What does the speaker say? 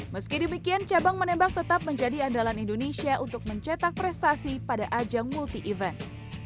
meski demikian cabang menembak tetap menjadi andalan indonesia untuk mencetak prestasi pada ajang multi event